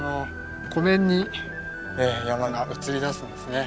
湖面に山が映り出すんですね。